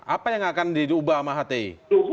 apa yang akan diubah mahathir